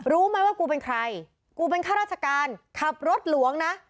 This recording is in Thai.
รู้ไหมว่ากูเป็นใครกูเป็นข้าราชการขับรถหลวงนะ